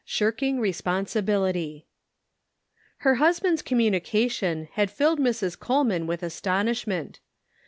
SHIRKING RESPONSIBILITY. >ER husband's communication had filled Mrs. Coleman with astonishment.